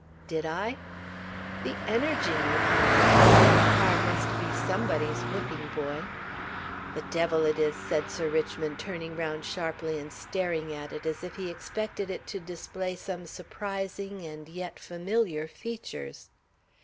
"Did I?" "The energy you have! That car must be somebody's whipping boy." "The devil it is!" said Sir Richmond, turning round sharply and staring at it as if he expected it to display some surprising and yet familiar features.